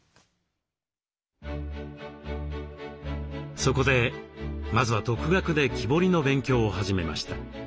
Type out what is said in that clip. そこでまずは独学で木彫りの勉強を始めました。